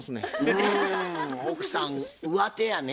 うん奥さんうわてやね